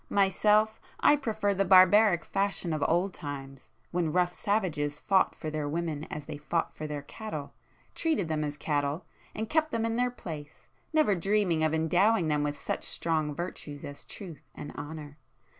Myself, I prefer the barbaric fashion of old times, when rough savages fought for their women as they fought for their cattle, treated them as cattle, and kept them in their place, never dreaming of endowing them with such strong virtues as truth and honour!